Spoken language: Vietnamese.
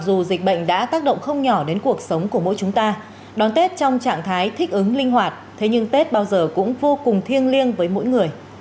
dù dịch bệnh đã tác động không nhỏ đến cuộc sống của mỗi chúng ta đón tết trong trạng thái thích ứng linh hoạt thế nhưng tết bao giờ cũng vô cùng thiêng liêng với mỗi người